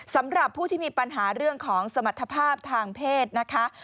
สำหรับผู้ที่มีปัญหาเรื่องของสมรรถภาพทางเพศนะคะ